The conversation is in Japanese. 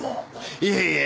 いえいえ！